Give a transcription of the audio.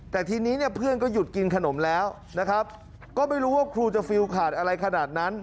แต่ทีนี้เนี่ยเพื่อนก็หยุดกินขนมแล้วนะครับก็ไม่รู้ว่าครูจะฟิลขาดอะไรขนาดนั้น